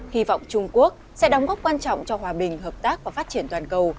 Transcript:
hy vọng trung quốc sẽ đóng góp quan trọng cho hòa bình hợp tác và phát triển toàn cầu